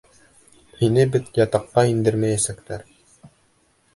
Һине бит ятаҡҡа индермәйәсәктәр.